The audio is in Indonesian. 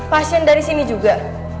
pasien dari sini juga